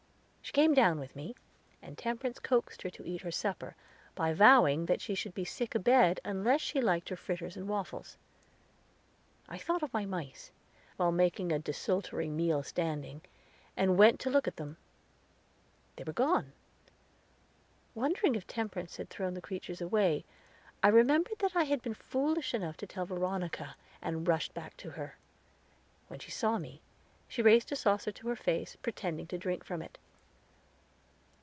She came down with me, and Temperance coaxed her to eat her supper, by vowing that she should be sick abed, unless she liked her fritters and waffles. I thought of my mice, while making a desultory meal standing, and went to look at them; they were gone. Wondering if Temperance had thrown the creatures away, I remembered that I had been foolish enough to tell Veronica, and rushed back to her. When she saw me, she raised a saucer to her face, pretending to drink from it.